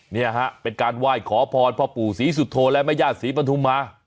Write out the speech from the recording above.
เนี่ยฮะเป็นการไหว้ขอพรพ่อปู่ศรีสุโธและแม่ญาติศรีปฐุมมา